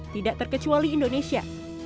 tidak terkecuali indonesia